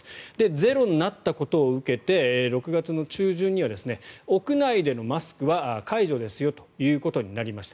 ゼロになったことを受けて６月中旬には屋内でのマスクは解除ですよということになりました。